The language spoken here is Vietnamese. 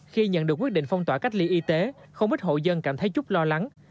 khi nhận được quyết định phong tỏa cách ly y tế không ít hộ dân cảm thấy chút lo lắng